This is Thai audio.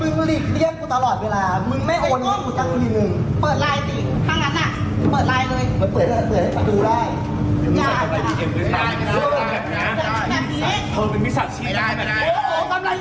มึงหลีกเรียกกูตลอดเวลามึงไม่โอนอยู่กูตั้งทีนึง